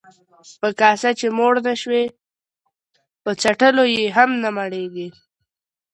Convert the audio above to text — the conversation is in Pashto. ـ په کاسه چې موړ نشوې، په څټلو يې هم نه مړېږې.